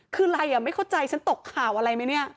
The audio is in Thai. คืออะไรอ่ะไม่เข้าใจฉันตกข่าวอะไรไหมเนี่ย